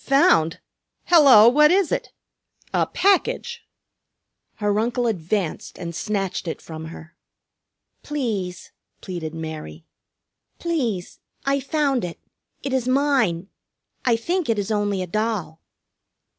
"Found? Hello, what is it? A package!" Her uncle advanced and snatched it from her. "Please," pleaded Mary, "please, I found it. It is mine. I think it is only a doll."